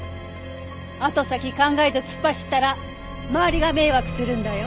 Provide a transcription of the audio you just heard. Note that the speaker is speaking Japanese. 後先考えず突っ走ったら周りが迷惑するんだよ。